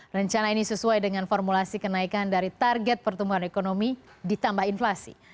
rencana ini sesuai dengan formulasi kenaikan dari target pertumbuhan ekonomi ditambah inflasi